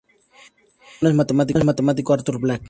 Su hermano es matemático Artur Black.